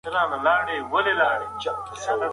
آیا ستاسو په سیمه کې انټرنیټ ښه کار کوي؟